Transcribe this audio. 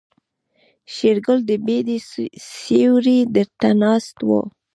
شېرګل د بيدې سيوري ته ناست و.